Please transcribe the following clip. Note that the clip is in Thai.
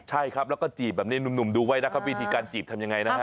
ใช่ครับแล้วก็จีบแบบนี้หนุ่มดูไว้นะครับวิธีการจีบทำยังไงนะฮะ